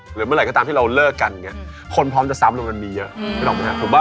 หรือเมื่อไหร่ก็ตามที่เราเลิกกันคนพร้อมจะซ้ำลงรันมีเยอะ